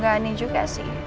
ya gak aneh juga sih